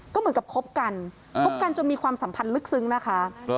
ก็เหมือนกับคบกันคบกันจนมีความสัมพันธ์ลึกซึ้งนะคะ